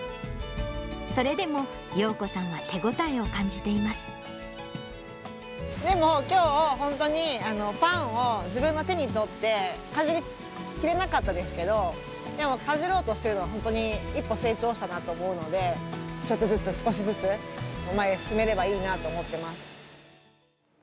それでもようこさんは手応えを感でも、きょう、本当にパンを自分の手に取って、かじりきれなかったですけど、でもかじろうとしてるのは、本当に一歩成長したなと思うので、ちょっとずつ、少しずつ、前へ進めればいいなと思ってます。